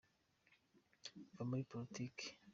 Va muri politiki